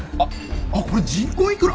あっこれ人工いくら？